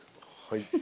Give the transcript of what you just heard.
はい。